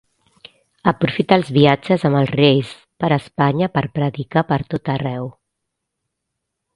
Aprofita els viatges amb els Reis per Espanya per predicar per tot arreu.